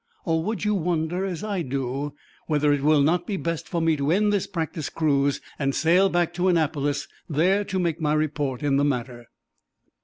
Or would you wonder, as I do, whether it will not be best for me to end this practice cruise and sail back to Annapolis, there to make my report in the matter?"